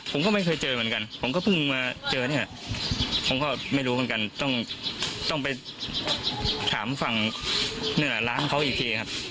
ผมก็ไม่รู้เหมือนกันต้องไปถามฝั่งเนื้อร้านเขาอีกทีครับ